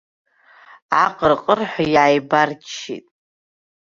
Аҟырҟырҳәа иааибарччеит.